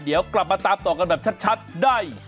เดี๋ยวกลับมาตามต่อกันแบบชัดได้